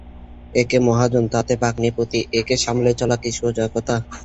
একে মহাজন তাতে ভগ্নীপতি, একে সামলে চলা কি সোজা কথা!